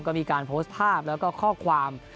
ก็มีการโพสต์ภาพแล้วก็ข้อความ